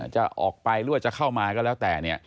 จะออกไปหรือว่าจะเข้ามาก็แล้วแต่